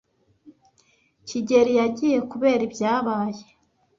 kigeli yagiye kubera ibyabaye.